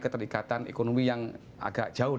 keterikatan ekonomi yang agak jauh